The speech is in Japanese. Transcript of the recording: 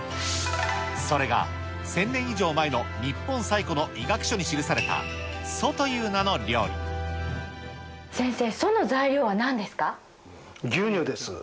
それが１０００年以上前の日本最古の医学書に記された蘇という名先生、牛乳です。